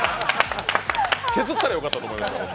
削ったらよかったと思いました。